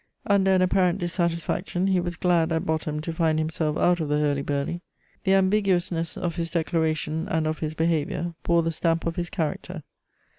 Under an apparent dissatisfaction, he was glad, at bottom, to find himself out of the hurly burly; the ambiguousness of his declaration and of his behaviour bore the stamp of his character.